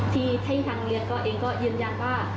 ที่ที่ทางโรงเรียนก็ยืนยันว่า